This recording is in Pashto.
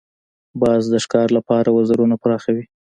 باز د ښکار لپاره وزرونه پراخوي